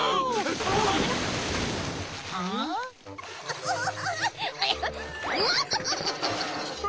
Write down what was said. ウフフフフ！